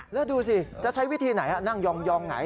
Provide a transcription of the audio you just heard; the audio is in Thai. แล้วดูสิจะใช้วิธีไหนนั่งยองไหน